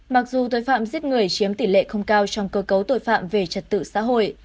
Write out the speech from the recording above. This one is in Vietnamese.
mặc dù tội phạm giết người chiếm tỷ lệ không cao trong cơ cấu tội phạm về trật tự xã hội